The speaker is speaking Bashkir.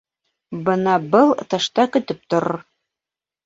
Бына был тышта көтөп торор.